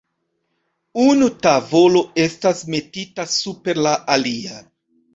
Unu tavolo estas metita super la alia.